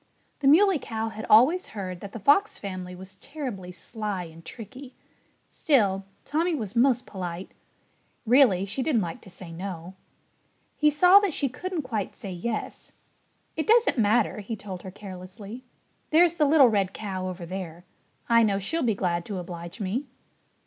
The Muley Cow had always heard that the Fox family was terribly sly and tricky. Still, Tommy was most polite. Really, she didn't like to say no. He saw that she couldn't quite say yes. "It doesn't matter," he told her carelessly. "There's the little red cow over there. I know she'll be glad to oblige me."